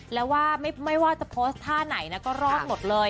แล้วว่าไม่ว่าจะโพสต์ท่าไหนนะก็รอดหมดเลย